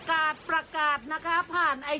ตอนนี้ไปฟังพี่หายอภพรกันหน่อยค่ะแซวเล่นจนได้เรื่องจ้า